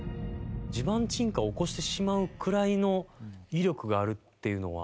地盤沈下を起こしてしまうくらいの威力があるっていうのは。